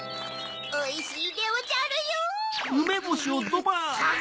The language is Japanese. おいしいでおじゃるよ。ハヒ⁉